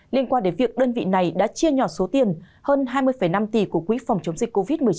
liên quan đến việc đơn vị này đã chia nhỏ số tiền hơn hai mươi năm tỷ của quỹ phòng chống dịch covid một mươi chín